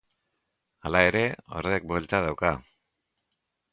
Hala ere, horrek buelta dauka.